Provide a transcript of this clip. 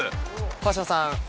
川島さん